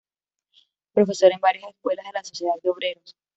Profesor en varias escuelas de la sociedad de Obreros.